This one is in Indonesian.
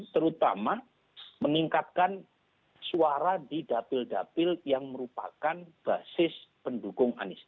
terutama meningkatkan suara di dapil dapil yang merupakan basis pendukung anies